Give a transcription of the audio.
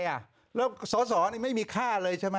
แล้วสอสอนี่ไม่มีค่าเลยใช่ไหม